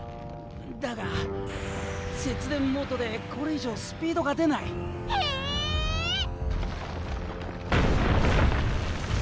だが節電モードでこれ以上スピードが出ない！えっ！？